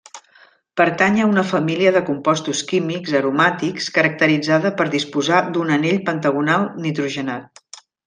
Pertany a una família de compostos químics aromàtics, caracteritzada per disposar d’un anell pentagonal nitrogenat.